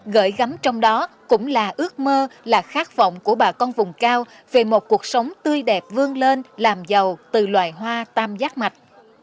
gợi gắm trong đó cũng là ước mơ là khát vọng của bà con vùng cao về một cuộc sống tươi đẹp vươn lên làm giàu từ loài hoa tam giác mạch